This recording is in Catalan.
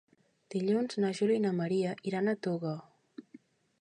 Dilluns na Júlia i na Maria iran a Toga.